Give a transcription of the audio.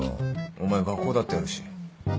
お前学校だってあるし